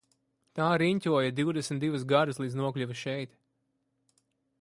Tā riņķoja divdesmit divus gadus līdz nokļuva šeit.